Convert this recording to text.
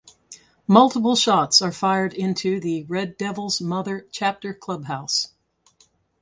Multiple shots are fired into the Red Devils Mother chapter clubhouse.